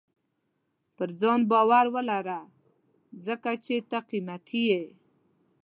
• پر ځان باور ولره، ځکه چې ته قیمتي یې.